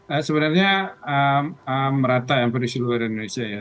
ya sebenarnya merata yang pada seluruh indonesia ya